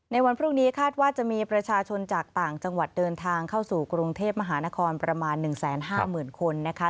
วันพรุ่งนี้คาดว่าจะมีประชาชนจากต่างจังหวัดเดินทางเข้าสู่กรุงเทพมหานครประมาณ๑๕๐๐๐คนนะคะ